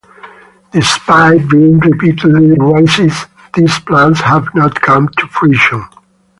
Despite being repeatedly raised, these plans have not come to fruition.